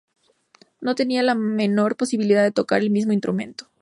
No tenía la menor posibilidad de tocar el mismo instrumento.